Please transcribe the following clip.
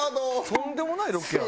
「とんでもないロケやな」